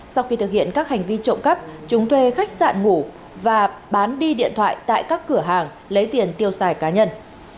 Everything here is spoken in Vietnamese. sau khi thực hiện các hành vi trộm cắp chúng thuê khách sạn ngủ và bán đi điện thoại tại các cửa hàng lấy tiền tiêu xài cá nhân